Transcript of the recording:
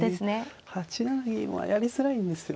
８七銀はやりづらいんですよね